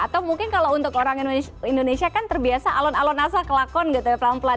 atau mungkin kalau untuk orang indonesia kan terbiasa alun alun asal kelakon gitu ya pelan pelan